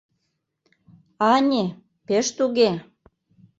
Ане, пеш туге...